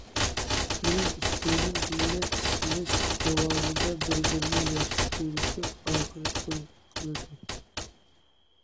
كېيىن ئىككىيلەن بىللە ئىشلەش داۋامىدا بىر- بىرىنى ياخشى كۆرۈشۈپ، ئاخىر توي قىلىدۇ.